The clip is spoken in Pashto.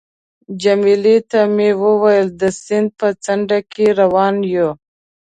جميله ته مې وویل: د سیند په څنډه کې روان یو.